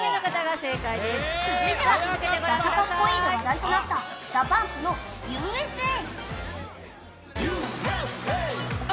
続いてはダサカッコイイと話題となったＤＡＰＵＭＰの「Ｕ．Ｓ．Ａ」。